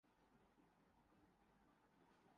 زیادہ مصالہ دار چیزیں مت کھاؤ